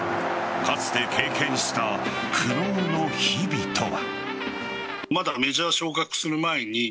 かつて経験した苦悩の日々とは。